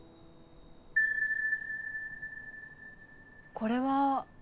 これは。